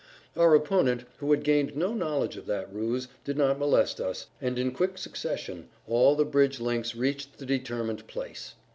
Our opponent, who had gained no knowledge of that ruse, did not molest us, and in quick succession all the bridge links reached the determined place.